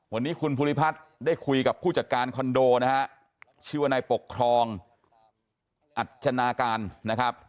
วันนี้คุณภูริพัฒน์ได้คุยกับผู้จัดการคอนโดนะฮะชื่อว่านายปกครองอัจจนาการนะครับ